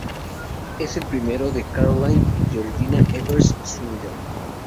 Es el primo de Caroline y Georgina Evers-Swindell.